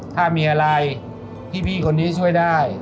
ถ้ามีอะไรพี่คนนี้ช่วยได้